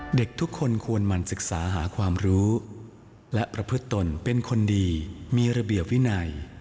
เด็กทุกคนควรหมั่นศึกษาหาความรู้และประพฤติตนเป็นคนดีมีระเบียบวินัย